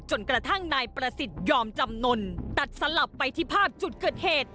จนกระทั่งนายประสิทธิ์ยอมจำนวนตัดสลับไปที่ภาพจุดเกิดเหตุ